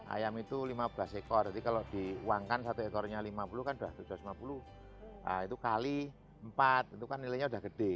ayam itu lima belas ekor jadi kalau diuangkan satu ekornya lima puluh kan sudah tujuh ratus lima puluh itu kali empat itu kan nilainya udah gede